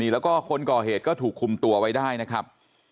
แล้วก็คนก่อเหตุก็ถูกคุมตัวไว้ได้นะครับ